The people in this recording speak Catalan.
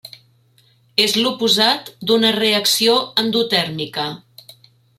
És l'oposat d'una reacció endotèrmica.